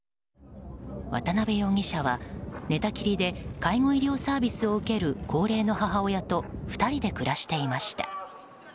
渡辺容疑者は寝たきりで介護医療サービスを受ける高齢の母親と２人で暮らしていました。